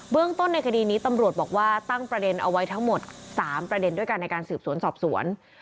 เรื่องต้นในคดีนี้ตำรวจบอกว่าตั้งประเด็นเอาไว้ทั้งหมด๓ประเด็นด้วยกันในการสืบสวนสอบสวน